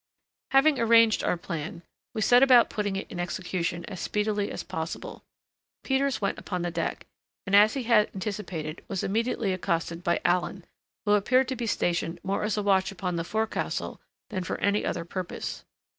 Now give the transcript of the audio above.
Having arranged our plan, we set about putting it in execution as speedily as possible. Peters went upon deck, and, as he had anticipated, was immediately accosted by Allen, who appeared to be stationed more as a watch upon the forecastle than for any other purpose.